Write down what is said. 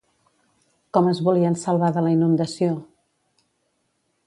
Com es volien salvar de la inundació?